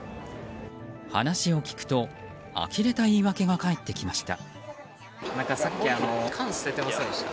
話を聞くとあきれた言い訳が返ってきました。